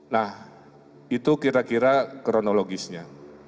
nah itu kira kira kronologisnya